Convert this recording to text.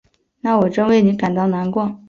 那我真为你感到难过。